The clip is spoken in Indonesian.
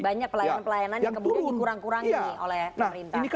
banyak pelayanan pelayanan yang kemudian dikurang kurangi oleh pemerintah